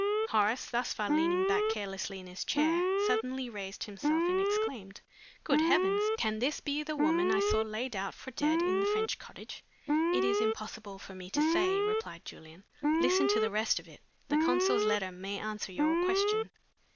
'" Horace thus far leaning back carelessly in his chair suddenly raised himself and exclaimed, "Good heavens! can this be the woman I saw laid out for dead in the French cottage?" "It is impossible for me to say," replied Julian. "Listen to the rest of it. The consul's letter may answer your question."